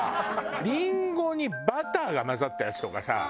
りんごにバターが混ざったやつとかさ。